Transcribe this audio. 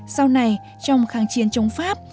sau này trong kháng chiến chống pháp